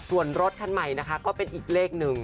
ส่วนรถคันใหม่นะคะก็เป็นอีกเลขหนึ่ง